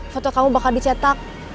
foto kamu bakal dicetak